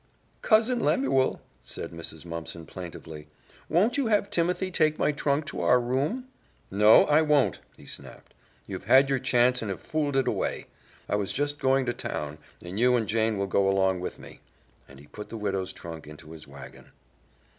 "Cousin Lemuel," said Mrs. Mumpson plaintively, "won't you have Timothy take my trunk to our room?" "No, I won't," he snapped. "You've had your chance and have fooled it away. I was just going to town, and you and Jane will go along with me," and he put the widow's trunk into his wagon.